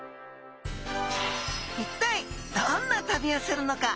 一体どんな旅をするのか？